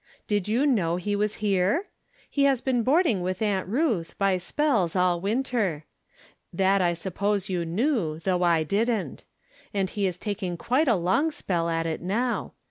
Did you know he was here ? He has been boarding with Aunt Ruth, by spells, all winter. That I suppose 3'ou knew, though I didn't. And he is taking quite a long spell at it now.